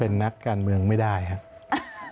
เป็นนักการเมืองไม่ได้ครับ